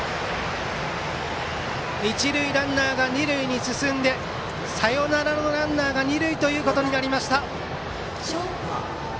一塁ランナーが二塁に進んでサヨナラのランナーが二塁ということになりました。